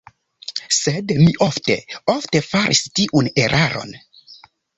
Sed mi ofte, ofte faris tiun eraron.